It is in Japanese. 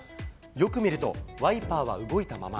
よく見るとワイパーは動いたまま。